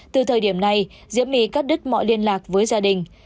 từ thời điểm này diễm my cắt đứt mọi liên lạc với gia đình